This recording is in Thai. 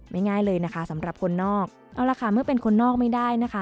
ง่ายเลยนะคะสำหรับคนนอกเอาล่ะค่ะเมื่อเป็นคนนอกไม่ได้นะคะ